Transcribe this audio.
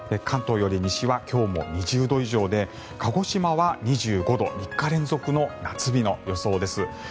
関東より西は今日も２０度以上で鹿児島は２５度３日連続の夏日の予想です。